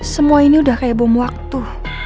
semua ini udah kayak bom waktu